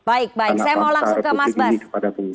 anak anak pasar publik ini kepada pemerintah